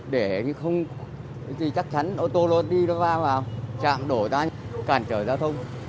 để không gì chắc chắn ô tô đi nó va vào chạm đổ ra cản trở giao thông